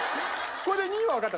これで２位はわかった。